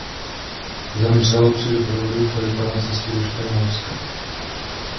Zemřel při doprovodu Filipa na cestě do Španělska.